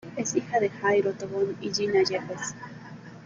Es hija de Jairo Tobón y Gina Yepes.